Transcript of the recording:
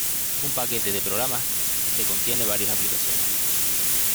Es un paquete de programas que contiene varias aplicaciones.